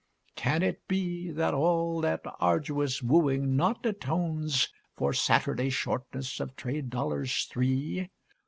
Can it be That all that arduous wooing not atones For Saturday shortness of trade dollars three?